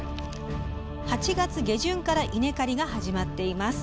８月下旬から稲刈りが始まっています。